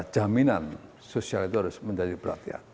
jaminan sosial itu harus menjadi perhatian